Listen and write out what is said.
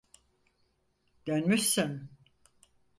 Dönmüşsün.